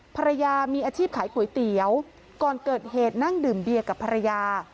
ภรรยามีอาชีพขายก๋วยเตี๋ยวก่อนเกิดเหตุนั่งดื่มเบียร์กับภรรยา